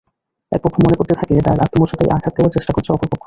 একপক্ষ মনে করতে থাকে তাঁর আত্মমর্যাদায় আঘাত দেওয়ার চেষ্টা করছে অপর পক্ষ।